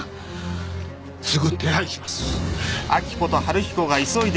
すぐ手配します。